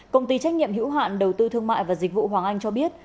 công ty trách nhiệm hữu hạn đầu tư thương mại và dịch vụ hoàng anh cho biết